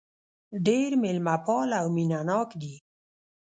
ډېر مېلمه پال او مينه ناک دي.